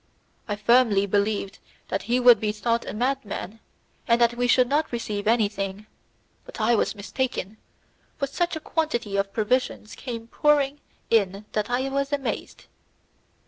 I firmly believed that he would be thought a madman, and that we should not receive anything, but I was mistaken, for such a quantity of provisions came pouring in that I was amazed.